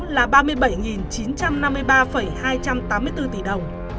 là ba mươi bảy chín trăm năm mươi ba hai trăm tám mươi bốn tỷ đồng